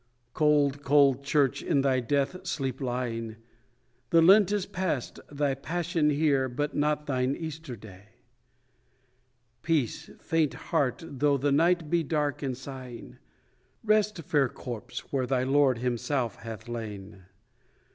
Cold cold church, in thy death sleep lying, The Lent is past, thy Passion here, but not thine Easter day. Peace, faint heart, though the night be dark and sighing; Rest, fair corpse, where thy Lord himself hath lain.